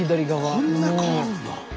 こんなに変わるんだ。